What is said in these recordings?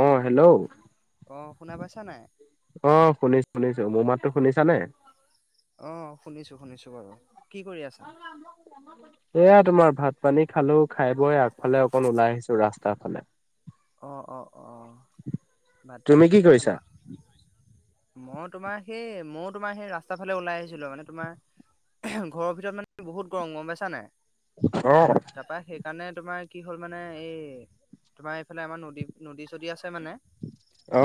অ, hello, অ শুনা পাইছা নাই? অ' শুনিছ শুনিছো। মোৰ মাতটো শুনিছা নে? অ, শুনিছো, শুনিছো বাৰু। কি কৰি আছা? [inaudible] এয়া তোমাৰ ভাত পানী খালো, খাই বৈ আগফালে অকণ ওলাই আহিছো ৰাস্তাৰ ফালে। অ, অ, অ', ভাত তুমি পানী কি কিহে কৰিছা খালা? মই তোমাৰ সেই ময়ো তোমাৰ সেই ৰাস্তাৰ ফালে ওলাই আহিছিলো, মানে তোমাৰ ঘৰৰ ভিতৰত মানে বহুত গৰম, গম পাইছা নাই? অহ তাৰপা, তাৰপা সেইকাৰণে তোমাৰ কি হ'ল মানে এই তোমাৰ এই ফালে আমাৰ নদী, নদী চদী আছে মানে।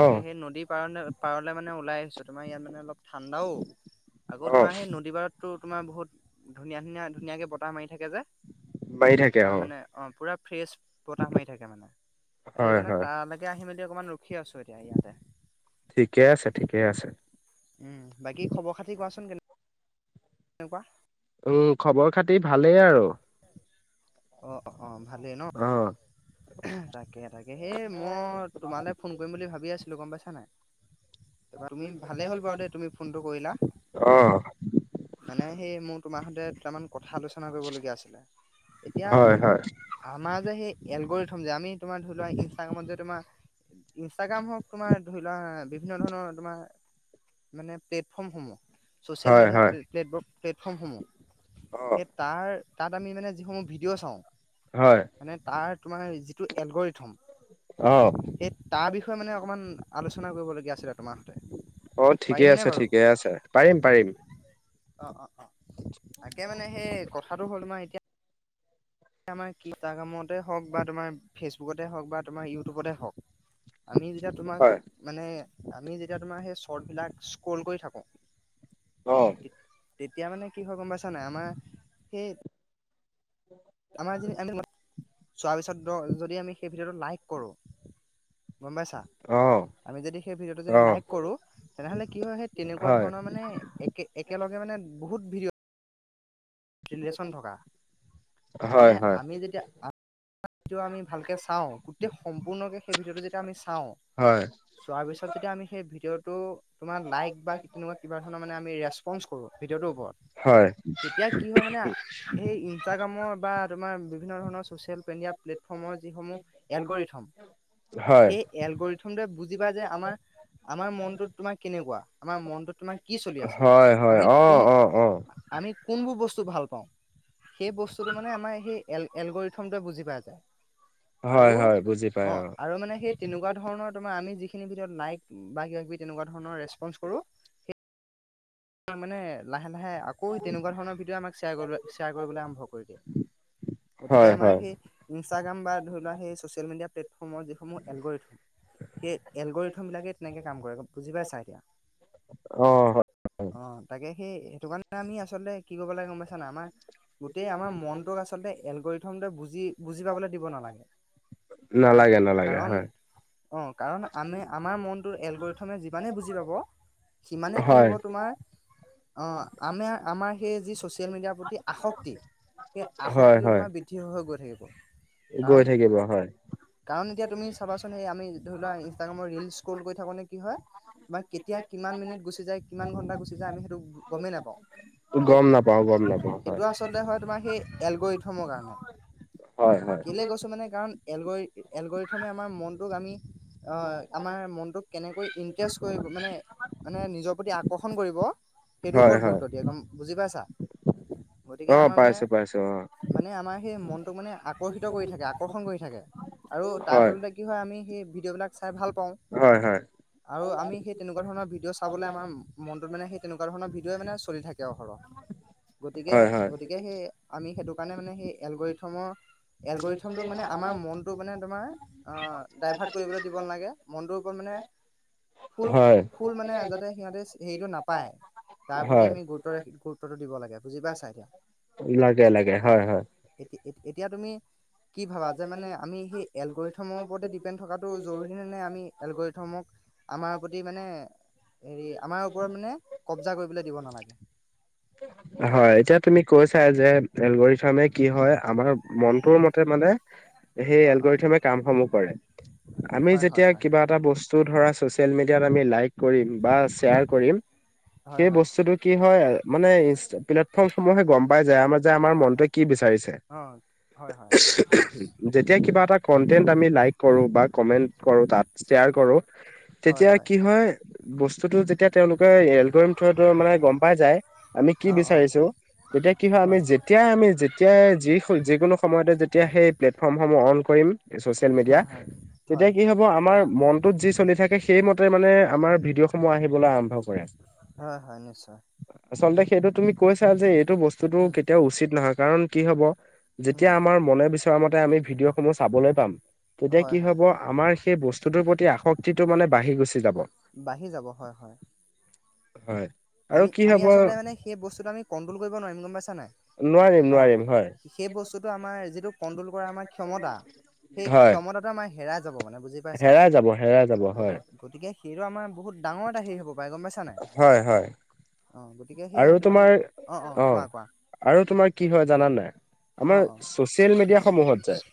অ সেই নদীৰ পাৰনে, পাৰলৈ মানে ওলাই আহি ছোঁ, তোমাৰ ইয়াত মানে অলপ ঠাণ্ডাও। আকৌ অ তোমাৰ সেই নদীৰ পাৰত তো তোমাৰ বহুত ধুনীয়া, ধুনীয়া, ধুনীয়াকৈ বতাহ মাৰি থাকে যে, মাৰি থাকে তোমাৰ মানে অ পূৰা ফ্ৰেছ বতাহ মাৰি থাকে মানে। এইটো হয় কাৰণে হয় তালৈকে আহ হি মেলি অকণমান ৰখি আছো এতিয়া ইয়াতে। ঠিকে আছে, ঠিকে আছে। উম, বাকী খবৰ খাতি কোৱাচোন কেনে নেকুৱা? উম, খবৰ খাতি ভালেই আৰু। অ, অ, ভালেই ন, অ তাকে তাকে, সেই মই তোমালৈ ফোন কৰিম বুলি ভাবি আছিলোঁ, গম পাইছা নাই? তুমি ভালেই হ'ল বাৰু দেই, তুমি ফোনটো কৰিলা। অ মানে, সেই মোৰ তোমাৰ সৈতে দুটামান কথা আলোচনা কৰিবলগীয়া আছিলে। এতিয়া হয় হয় আমাৰ যে সেই, এলগৰি থ'ম যে আমি তোমৰ ধৰিলোৱা‌, ইনষ্টাগ্ৰামত যে তোমাৰ ইনষ্টাগ্ৰাম হওক, তোমাৰ ধৰি লোৱা বিভিন্ন ধৰণৰ তোমাৰ মানে প্লেটফৰ্মসমূহ, ছচিয়েল হয় হয় মেডিয়াৰ প্লেট ব প্লেটফৰ্মসমূহ অ সেই তাৰ, তাত আমি মানে যিসমূহ ভিডিঅ' চাওঁ, হয় মানে তাৰ তোমাৰ এই যিটো এলগৰিথ হ'ম, অ সেই তাৰ বিষয়ে মানে অকণমান আলোচনা কৰিবলগীয়া আছিলে তোমাৰ সতে অ, ঠিকে পাৰিম নে আছে, বাৰু? ঠিকে আছে। পাৰিম, পাৰিম। অ, অ, অ। তাকে মানে সেই কথাটো হ'ল মানে এতিয়া আমাৰ ইনষ্টাগ্ৰামতে হওঁক বা তোমাৰ ফেচবুকতে হওঁক বা তোমাৰ ইউটিউবতে হওঁক আমি যেতিয়া তোমাক, হয় মানে আমি যেতিয়া তোমাৰ, সেই শৰ্ট বিলাক স্ক্ৰল কৰি থাকো অ তেতিয়া মানে কি হয় গম পাইছানে, আমাৰ সেই আমাৰ যে, আমি চোৱাৰ পিছত, যদি আমি সেই ভিডিঅ'টো লাইক কৰোঁ গম্পাইছা। অ আমি যদি সেই ভিডিঅ'টো যদি অ লাইক কৰো, তেনেহলে কি হয়, সেই তেনেকুৱা হয় ধৰণৰ মানে এক একেলগ মানে বহুত ভিডিঅ' [unintelligible] থকা মানে, হয় হয় আমি যেতিয়া আমি ভালকে চাওঁ, গোটেই সম্পূৰ্ণকে, সেই ভিডিওটো যেতিয়া আমি চাওঁ হয় চোৱাৰ পিছত, যদি আমি সেই ভিডিঅ'টো তোমাৰ লাইক বা তেনো কিবা ধৰণৰ মানে আমি ৰেচপন্ কৰো, ভি ভিডিওটো ওপৰত, কি হয় মানে ইনষ্টগ্ৰম্ৰৰ তাৰ বিভিন্ন ধৰণৰ ছ'চিয়েল মেডিয়া প্লেটফৰ্মৰ, যিসমূহ যি এলগৰিথম হয় সেই হয় এলগৰিথম, বুজি পায়, যে আমাৰ আমাৰ মনটোত তোমাৰ কেনেকুৱা, আমাৰ মনটোত তোমাৰ কি চলি আছে, হয় হয় আমি অ কোন অ অ আমি কোনবোৰ বস্তু ভাল পাও, সেই বস্তুটো মানে, আমাৰ শেই এলগৰিথমটো বুজি পোৱা যায় হয়, আৰু হয়, বুজি অ, আৰু মানে সেই তেনেকুৱা ধৰণৰ, তমাৰ আমি যিখিনি ভিডিঅত লাইক বা কিবা কিবি, তেনেকুৱা ধৰণৰ ৰেচপঞ্চ ককৰো মানে লাহে, লাহে আকৌ তেনেকুৱা ধৰণৰ, ভিডিঅ' আমাক শয়াৰ, শ্বেয়াৰ কৰিবলৈ আৰম্ভ কৰি দিয়ে। গতিকে হয় হয় আমাৰ, সেই ইনষ্টাগ্ৰাম বা ধৰি লোৱা, সেই চচিয়েল মিডিয়াত প্লেটফৰ্মৰ যিটো এলগৰিথম এলগৰিথম, বিলাকে তেনেকে কাম কৰে, বুজি পাইছা। এতিয়া অ অ, তাকে সেই সেইটো কাৰণে আমি আচলতে কি কৰিব লাগে, গম পাইছা নাই, আমাৰ গোটেই আমাৰ মনটোক, আচলতে এলগৰিথমতুই বুজি বুজি পাবলৈ দিব নালাগে। কাৰণ নালাগে, নালাগে, কাৰণ হয়। অ, কাৰণ আমি আমাৰ মনটো এলগৰিথমে যিমানে বুজি পাব, সিমানে কি হয় হ'ব তোমাৰ অ, আমাৰ আমাৰ সেই যি, ছ'চিয়েল মিডিয়াৰ প্ৰতি আসক্তি সেই হয় আসক্তিটো হয় তোমাৰ বৃদ্ধি হৈ, গৈ থাকিব। কাৰণ গৈ, থাকিব হয়। কাৰণ এতিয়া তুমি চাবাচোন, সেই আমি ধৰি লোৱা ইনষ্টাগ্ৰামৰ, ৰিল স্ক্ৰল কৰি থাকোঁতে কি হয় তোমাৰ কেতিয়া কিমান মিনিট গুচি যায়, কিমান ঘণ্টা গুচি যায়, আমি সেইটো গমেই নাপাওঁ। গম সেইটো, নাপাওঁ গম নাপাওঁ হয় সেইটো আচলতে হয় তোমাৰ সেই এলগৰিথম। ৰ কাৰণে, হয় হয় কেলে গৈছো মানে কাৰণ এলগৰি এলগৰিথমে, আমাৰ মনটোক আমি, আমাৰ মনটোক কেনেকৈ ইণ্ট্ৰেষ্ট কৰিব মানে, মানে নিজৰ প্ৰতি আগ আকৰ্ষণ কৰিব, সেইটোৰ হয় ওপৰত হয় গুৰুত্ব দিয়ে একদম বুজি পাইছা। গতিকে অ, আমাৰ মানে পাইছো, পাইছো অ। মানে আমাৰ সেই মনটোক মানে আকৰ্ষিত কৰি থাকে, আকৰ্ষণ কৰি থাকে, আৰু তাৰ হয় ফলতে কি হয়, আমি সেই ভিডিঅ'বিলাক চাই ভাল পাওঁ, হয় হয় আৰু আমি সেই তেনেকুৱা ধৰণৰ ভিডিঅ' চাবলৈ আমাৰ মনটো মানে, সই, তেনেকুৱ ধৰণ ভিঅই মানে চলি থাকে। [unintelligible] সৰহ গতিকে, হয় হয় গতিকে সেই আমি সেইটো কাৰণে মানে সেই এলগৰিথমৰ এলগৰিথমোক মানে আমাৰ মনটো মানে তোমাৰ অ, ডাইভাৰ্ট কৰিবলৈ দিব নালাগে, মনটোৰ ওপৰত মানে ফুল, হয় ফুল মানে আগতে সিহঁতে হেৰিটো নাপায়, তাৰ প্ৰতি হয় আমি গুৰুত্ব ৰাখি, গুৰুত টো দিব লাগে বুজি পাইছা এতিয়া। লাগে লাগে উম হয়', হয়। এতিয়া এতিয়া তুমি কি ভাবা যে মানে আমি সেই এলগৰিথমৰ ওপৰতে ডিপেণ্ড থকাটো জৰুৰী নে নাই আমি এলগৰিথমক আমাৰ প্ৰতি মানে হেৰি আমাৰ মানে কব্জা কৰিবলৈ দিব নালাগে। চাই যে এলবৰ ফাৰ্মে কি হয় আমাৰ মনটোৰ মতে মানে। সেই অ অ এলগৰিথমে কামসমূহ কৰে আমি হয় হয় যেতিয়া হয় কিবা এটা বস্তু ধৰা চচিআল মিডিয় আমি লাইক কৰিম বা শ্ৰেয়াৰ কৰিম। হয় সেই হয় বস্তুতটো কি হয় মানে ই প্লেটফৰ্ম সমূহে গম পাই যায় আমাৰ যে আমাৰ হয় হয় মনটো কি বিচাৰিছে। অ হয়', হয়। [inaudible] যেতিয়া কিবা এটা কন্টেন্ট আমি লাইক কৰো বা কমেন্ট কৰো তাত শ্বেয়াৰ কৰো। তেতিয়া কি হয় বস্তুতটো যেতিয়া তেওঁলোকে এল্টৰি থো মানে গম পাই যায় আমি কি অ অ বিচাৰিছো। তেতিয়া কি হয় আমি যেতিয়াাই আমি যেতিয়াই যি যিকোনো সময়তে যেতিয়া সেই ফৰ্মসমূহ অন কৰিম ছচিয়েল মিডিয়া। হয় হয় হয় তেতিয়া কি হব আমাৰ মনটোত যি চলি থাকে সেইমতে মানে আমাৰ ভিডিঅ' সমূহ আহিবলৈ আৰম্ভ কৰে হয় হয় নিশ্চয় আচলতে সেইটো তুমি কৈছা যে এইটো বস্তুতটো উম কেতিয়াও উচিত নহয় কাৰণ কি হব যেতিয়া উম আমাৰ মনে বিচৰা মতে আমি ভিডিঅ'সমূহ চাবলৈ পাম। তেতিয়া হয় কি হয় হব আমাৰ সেই বস্তুটোৰ প্ৰতি আসক্তিটো মানে বাঢ়ি গুচি যাব। বাঢ়ি যাব হয়', হয়। হয়। আৰু আমি কি আমি হ'ব আচলতে মানে সেই বস্তুটো আমি কণ্ট্ৰল কৰিব নোৱাৰিম গম পাইছা নাই নোৱাৰিম অ। নোৱাৰিম হয় সেই বস্তুতটো আমাৰ যিটো কন্ট্ৰল কৰা আমাৰ ক্ষমতা সেই হয় ক্ষমতাটো আমাৰ হেৰাই যাব মানে বুজি পাইছা হেৰাই যাব হেৰাই যাব হয়। গতি গতিকে সেইটো আমাৰ বহুত ডাঙৰ এটা হেৰি হ'ব পাৰে গম পাইছা নাই। অ গতিকে সেয়ে আৰু সেইটো কাৰণে তোমাৰ অ', কোৱা কোৱা আৰু তোমাৰ কি হয় জানা নাই। অ আমাৰ অ চচিয়েল মিডিয়া সমূহত যায়।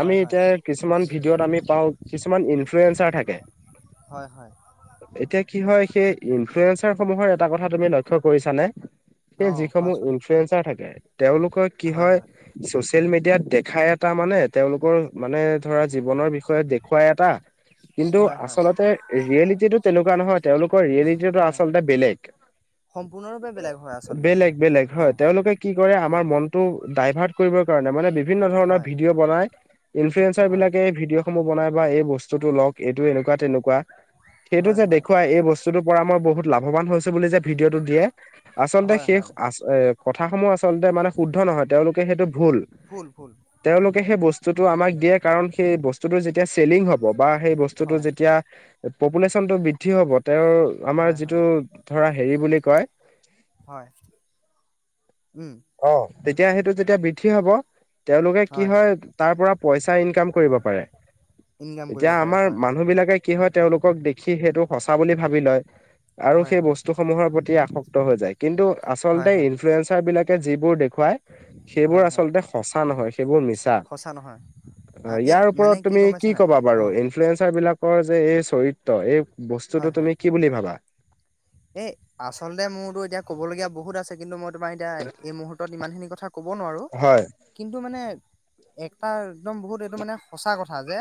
হয় আমি হয় এতিয়া কিছুমান ভিডিঅ'ত আমি পাওঁ কিছুমান ইনফ্লুৱয়েঞ্চাৰ থাকে। হয় হয় এতিয়া কি হয় সেই ইনফ্লুৱেঞ্চাৰ সমূহৰ এটা কথা তুমি না কৰিছা নে। অ সেই যিসমূহ কোৱাচোন ইনফ্লুৱেঞ্চাৰ থাকে তেওঁলোকৰ কি হয় চচিয়েল মিডিয়াত দেখাই এটা মানে তেওঁলোকৰ মানে ধৰা জীৱনৰ বিষয়ে দেখুৱাই এটা। কিন্তু হয় হয় আচলতে ৰিয়েলিটিটো তেনেকুৱা নহয় তেওঁলোকৰ ৰিয়েলিটি হয় আচলতে বেলেক। সম্পূৰ্ণৰূপে বেলেগ হয় আচলতে বেলেগ বেলেগ অ হয়', তেওঁলোকে কি কৰে আমাৰ হয় মনতটো ডাইভাৰ্ট কৰিবৰ কাৰনে মানে বিভিন্ন ধৰণৰ হয় ভিডিঅ' বনাই। ইনফ্লুৱয়েঞ্চাৰ হয় বিলাকে ভিডিঅ'সমূহ বনাই বা এই বস্তুটো লওক এইটো এনেকুৱা তেনেকুৱা। সেইটো হয় যে হয় দেখুৱাই এই বস্তুতটো পৰা মই বহুত লাভৱান হৈছো বুলি যে ভিডিঅ দিয়ে আচলতে হয় সেই হয় আ এ কথাস সমূহ আচলতে মানে শুদ্ধ নহয় তেওঁলোকে সেইটো ভুল। ভুল', ভুল। তেওঁলোকে সেই বস্তুটো আমাক দিয়ে কাৰণ সেই বস্তুটো যেতিয়া চেলিং হব বা সেই বস্তুটো হয় যেতিয়া। পপুলেশ্যন টো বৃদ্ধি হ'ব তেওঁৰ আমাৰ হয় যিটো হয় ধৰা হেৰি বুলি কয় হয়। উম অ', তেতিয়া সেইটো যেতিয়া বৃদ্ধি হব তেওঁলোকে কি হয় তাৰ পৰা পইচা ইনকাম কৰিব পাৰে। ইনকাম কৰিব এতিয়া পাৰে আমাৰ হয় হয় মানুহ বিলাকে কি হয় তেওঁলোকক দেখি সেইটো সঁচা বুলি ভাবি লয়। আৰু হয় সেই হয় বস্তুসমূহৰ আসক্ত হৈ যায় কিন্তু হয় আচলতে হয় ইনফ্লয়েঞ্চাৰ বিলাকে যিবোৰ দেখুৱায় সেইবোৰ হয় হয় আচলতে সঁচা নহয় সেইবোৰ মিছা অ সঁচা নহয় আ, এই ইয়াৰ মানে ওপৰত তুমি গম পাইছা কি নাই ক'বা অ বাৰু ইনফ্লুৱয়েঞ্চাৰ বিলাকৰ যে এই চৰিত্ৰ এই বস্তু তুমি কি বুলি ভাবা এ আচলতে মোৰতো এতিয়া ক'বলগীয়া বহুত আছে কিন্তু মই তোমাৰ এতিয়া এই মুহূুৰ্তত ইমান খিনি কথা কব নোৱাৰো হয়। কিন্তু মানে এটা একদম বহুত এইটো মানে সঁচা কথা যে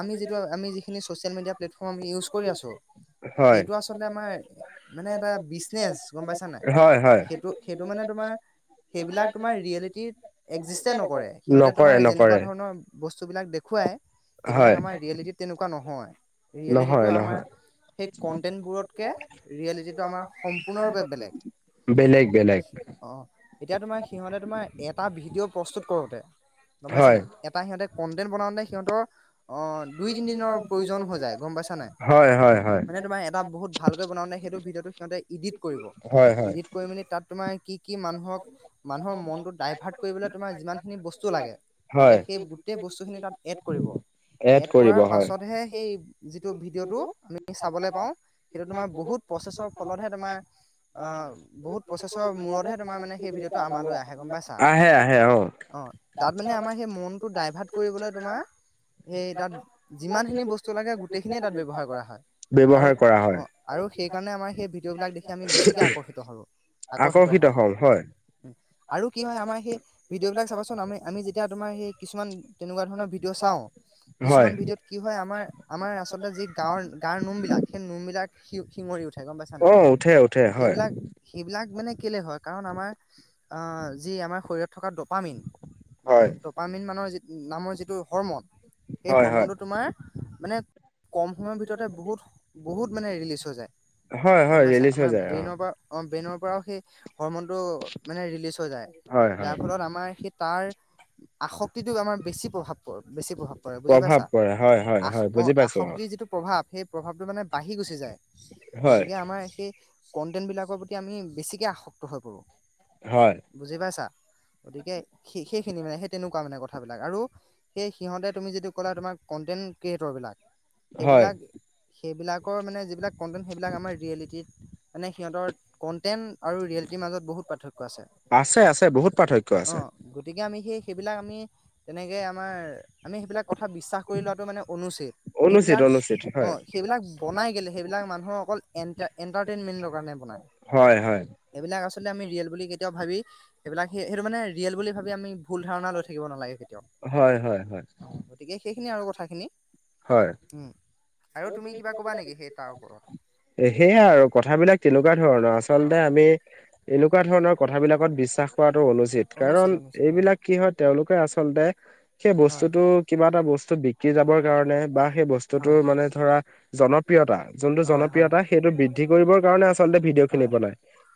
আমি যিটো আমি যিখিনি ছচিয়েল মিডিয়া প্লেটফৰ্ম আমি ইউজ কৰি আছো হয়। সেইটো আচলতে আমাৰ মানে এটা বিজনেচ গম পাইছা নাই হয় হয়। সেইটো সেইটো মানে তোমাৰ সেইবিলাক তোমাৰ ৰিয়েলিটিৰ একজিষ্টে নকৰে সিহঁতে তোমাৰ নকৰে যেনেকুৱা নকৰে ধৰণৰ বস্তুবিলাক দেখুৱাই সেইবিলাক হয় আমাৰ ৰিয়েলিটিত তেনেকুৱা নহয় ৰিয়েলিটিতো নহয় আমাৰ নহয়। সেই কণ্টেণ্টবোৰতকৈ ৰিয়েলিটিটো আমাৰ সম্পূৰ্ণৰূপে বেলেগ বেলেগ বেলেগ অ এতিয়া তোমাৰ সিহঁতে তোমাৰ এটা ভিডিঅ' প্ৰস্তুত কৰোতে গম পাইছা হয় নে এটা সিহঁতে কনটেন বনাওে সিহঁতৰ আহ দুই তিনি দিনৰ প্ৰয়োজন হৈ যায় গম পাইছা নাই হয় হয় হয় মানে তোমাৰ এটা বহুত ভালকৈ বনাওঁ সেইটো ভিডিঅ'টো সিহঁতে ইডিট কৰিব হয় হয় ইডিট কৰি মেলি তাত তোমাৰ কি কি মানুহক মানুহৰ মনত ডাইভাৰ্ট কৰিবলৈ তোমাৰ যিমানখিনি বস্তু লাগে ততে হয় সেই গোটেই বস্তুখিনি তাত এড কৰিব এড কৰিব কৰাৰ হয় পাছতহে সেই যিটো ভিডিঅ'টো চাবলৈ পাওঁ সেইটো তোমাৰ বহোত প্ৰচেছ ফলতহে তোমাৰ বহুত প্ৰচছৰ মোৰত [unintelligible] অ' তাত মানে আমাৰ সেই মনটো ডাইভাৰ্ট কৰিবলৈ তোমাৰ অ সেই তাত যিমান খিনি বস্তু লাগে গোটেইখিনি ব্যৱহাৰ কৰা হয় আৰু ব্যৱহাৰ কৰা হয় অ আৰু সেইকাৰণে আমাৰ সেই ভিডিঅ' বিলাক দেখি আমি বেছিকে আকৰ্ষিত হোঁ আকৰ্ষিত হল হয় আৰু কি হয় আমাৰ সেই ভিডিঅ' বিলাক চাবচোন আমি আমি যেতিয়া তোমাৰ সেই কিছুমান তেনেকুৱা ধৰণৰ ভিডিঅ' চাও কিছুমান হয় ভিডিঅত কি হয় আমাৰ আমাৰ আচলতে যি গাঁৱৰ তাৰ নোমবিলাক সেই নোমবিলাক শি শিঙৰি উঠে গম পাইছাানাই অ উঠে উঠে হয় সেইবিলাক সেইবিলাক মানে কেলে হয় কাৰণ আমাৰ অ যি আমাৰ শৰত থকা ডপামিন হয় ডপামিন মানৰ যি নামৰ যিটো হৰৰ্মন সেই হয় হয় হ্ৰৰ্মনটো তোমাৰ মানে কম সময়ৰ ভিতৰত বহুত বহুত মানে ৰিলিজ হৈ যায় হয় গম হয় পাইছা ৰিলিজ হৈ আমাৰ যায় অ ব্ৰেইনৰ পৰা অ ব্ৰেইনৰ পৰাও সেই হৰমনটো মানে ৰিলিজ হৈ যায় হয় যাৰ হয় ফলত আমাৰ সেই তাৰ আসক্তিটোক আমাৰ বেছি প্ৰভাৱ পৰে বেছি প্ৰভাৱ পৰে বুজি প্ৰভাৱ পাইছা পৰে হয় হয় আস হয় অ বুজি পাইছো আৰু আসক্তিৰ যিটো প্ৰভাৱ সেই প্ৰভাৱটো মানে বাঢ়ি গুচি যায় হয় গতিকে আমাৰ সেই কন্টেন্টবিলাকৰ প্ৰতি আমি বেছিকে আসক্ত হৈ পৰোঁ হয় বুজি পাইছা গতিকে সেই সেইখিনি মানে সেই তেনেকুৱা মানে কথাবিলাক আৰু সেই সিহতে তুমি যদিটো ক'লে তোমাৰ কেন্টেন ক্ৰিয়েটৰ বিলাক হয় সেইবিলাক সেইবিলাকৰ মানে যিবিলাক কণ্টেণ্ট সেইবিলাক আমাৰ ৰিয়েলিটিত মানে সিহঁতৰ কন্টেন্ট আৰু ৰিয়েলিটিৰ মাজত বহুত পাৰ্থক্য আছে আছে আছে বহুত পাৰ্থক্য অ আছে গতিকে আমি সেই সেইবিলাক আমি তেনেকৈ আমাৰ আমি সেইবিলাক কথা বিশ্বাস কৰি লোৱাটো মানে অনুচিত অনুচিত অনুচিত হয় সেইবিলাক বনাই সেইবিলাক মানুহৰ অকল এটাৰটেইনমেণ্টৰ কাৰণে বনায় হয় হয় সেইবিলাক আচলতে আমি ৰিয়েল বুলি কেতিয়াও ভাবি সেইবিলাক স সেইটো মানে ৰিয়েল বুলি ভাবি আমি ভুল ধাৰণা লৈ থাকিব নালাগে কেতিয়াও হয় হয় হয় অ গতিকে সেইখিনি আৰু কথাখিনি হয় উম আৰু তুমি কিবা কবা নেকি সেই তাৰ ওপৰত সেয়াই [inaudible] বিশ্বাস অ কৰাটো অনুচিত, কাৰণ [inaudible] অনুচিত হয় হয় বস্তু বিক্ৰী যাবৰ কাৰণে, বা সেই হয় বস্তুতোৰ মানে ধৰা জনপ্ৰিয়তা যোনটো হয় হয় জনপ্ৰিয়তা সেইটো বৃদ্ধি কৰিবৰ কাৰণে আচলতে ভিডিঅ' খিনি হয় বনাই।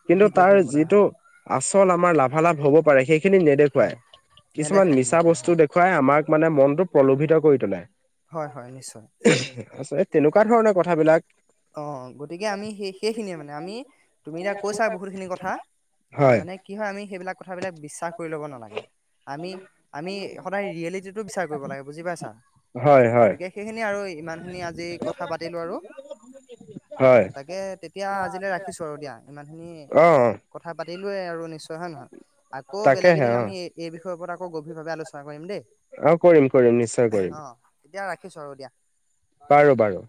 কিন্তু তাৰ ভিডিঅ'খিনি বনাই যিটো হয় আচল আমাৰ লাভালাভ হ'ব পাৰে সেইখিনি নেদেখুৱাই। হয় কিছুমান নেদেখায় মিছা নেদেখায় বস্তু হয় দেখুৱাই আমাক মানে মনটো প্ৰলোভিত কৰি তোলে। হয় হয় নিশ্চয় আচলতে তেনেকুৱা ধৰণৰ কথাবিলাক। অ'গতিকে আমি সেই সেইখিনিয়ে মানে আমি তুমি এতিয়া কৈছা বহুতখিনি কথা। হয় অ'মানে কি হয় আমি সেইবিলাক কথাবিলাক বিশ্বাস কৰি ল'ব নালাগে। আমি আমি সদায় ৰিয়েলিটিটো বিচাৰ কৰিব লাগে বুজি পাইছা। হয় হয় গতিকে সেইখিনি আৰু ইমান খিনি আজি কথা পাতিলো আৰু। হয় অ'তাকে তেতিয়া আজিলৈ ৰাখিছো আৰু দিয়া ইমান খিনি অ'। কথা পা পাতিলো আৰু নিশ্চয় হয় নে নহয় আকৌ পাতিলোৱে আৰু বেলেগ তাকেহে এদিন অ', আমি এই বিষয়ৰ ওপৰত আকৌ গভীৰভাৱে আলোচনা কৰিম দেই। অ' কৰিম কৰিম নিশ্চয় কৰিম। এতিয়া ৰাখিছো, আৰু দিয়া। বাৰু বাৰু!